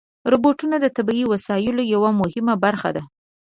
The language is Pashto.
روبوټونه د طبي وسایلو یوه مهمه برخه ده.